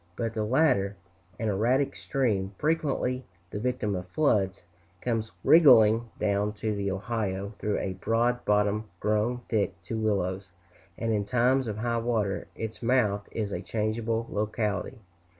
But the latter, an erratic stream, frequently the victim of floods, comes wriggling down to the Ohio through a broad bottom grown thick to willows, and in times of high water its mouth is a changeable locality.